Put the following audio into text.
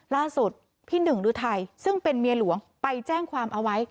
ล่าสุดพี่หนึ่งฤทัยซึ่งเป็นเมียหลวงไปแจ้งความเอาไว้